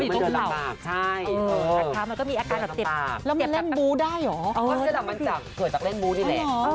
แล้วมันเดินหลับมากใช่เออมันเดินหลับมากแล้วมันเล่นบูได้เหรอ